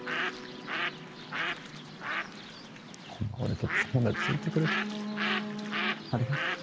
こんな俺と友達でいてくれてありがとうな。